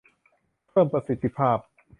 เพิ่มประสิทธิภาพ